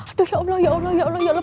atas ya allah ya allah ya allah ya allah